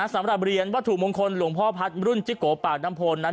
สำหรับเหรียญวัตถุมงคลหลวงพ่อพัฒน์รุ่นจิโกปากน้ำโพนั้น